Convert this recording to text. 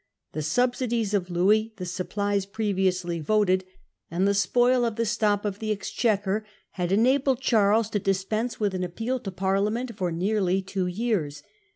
The subsidies of Louis, the supplies previously voted, and the spoil of the Stop of the Exchequer had enabled Charles to dispense with an appeal to Parliament for nearly two years.